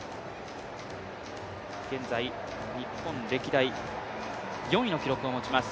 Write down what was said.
現在日本歴代４位の記録を持ちます。